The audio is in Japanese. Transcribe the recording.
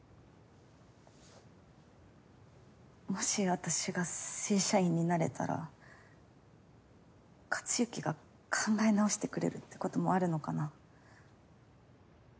もし私が正社員になれたら克行が考え直してくれるってこともあるのかな。